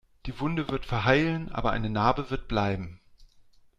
Die Wunde wird verheilen, aber eine Narbe wird bleiben.